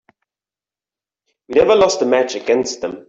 We never lost a match against them.